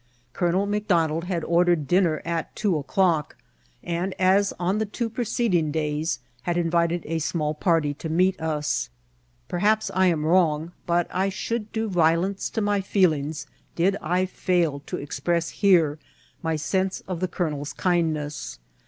Colonel McDonald had ordered dinner at two o'clock, and, as on the two preceding days, had invi ted a small party to meet us. Perhaps I am wrong, but I should do violence to my feelings did I fail to ex press here my sense of the colonel's kindness.